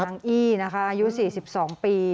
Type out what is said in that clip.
นางอี้นะฮะอายุ๔๒ปี